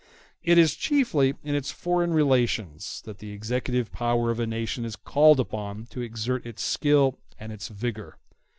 It is chiefly in its foreign relations that the executive power of a nation is called upon to exert its skill and its vigor.